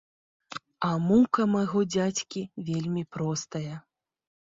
А мука майго дзядзькі вельмі простая.